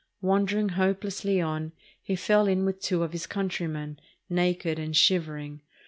Wandering hopelessly on, he fell in with two of his countrymen, naked and shivering.